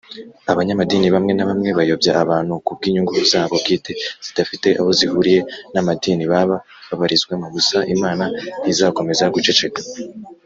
Abanyamadini bamwe nabamwe bayobya abantu kubwinyungu zabo bwite zidafite ahozihuriye namadini baba babarizwamo gusa imana ntizakomeza guceceka.